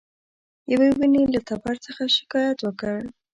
یوې ونې له تبر څخه شکایت وکړ.